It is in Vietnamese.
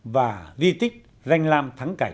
và di tích danh lam thắng cảnh